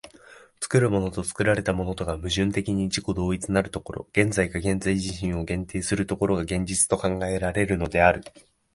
作るものと作られたものとが矛盾的に自己同一なる所、現在が現在自身を限定する所が、現実と考えられるのである。